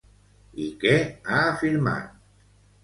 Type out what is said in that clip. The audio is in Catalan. I què ha afirmat?